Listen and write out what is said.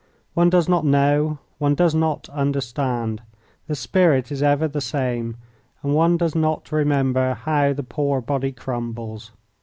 One does not know, one does not understand; the spirit is ever the same, and one does not remember how the poor body crumbles.